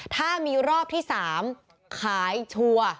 ถ้ามีรอบที่๓ขายชัวร์